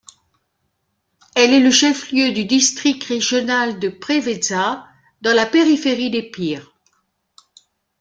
Elle est le chef-lieu du district régional de Préveza, dans la périphérie d'Épire.